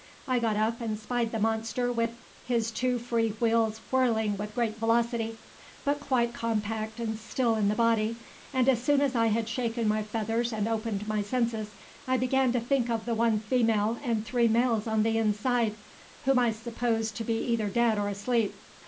I got up and spied the monster with his two free wheels whirling with great velocity, but quite compact and still in the body, and as soon as I had shaken my feathers and opened my senses I began to think of the one female and three males in the inside, whom I supposed to be either dead or asleep.